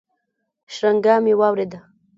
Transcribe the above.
شرنگا مې واورېد.